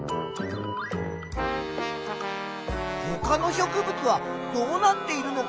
ほかの植物はどうなっているのかな？